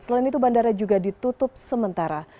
selain itu bandara juga ditutup sementara